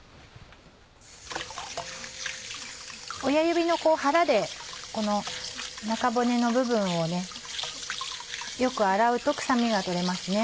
親指の腹でこの中骨の部分をよく洗うと臭みが取れますね。